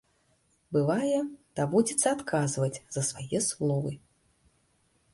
Бывае, даводзіцца адказваць за свае словы.